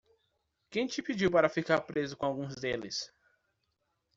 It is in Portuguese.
Quem te pediu para ficar preso com algum deles?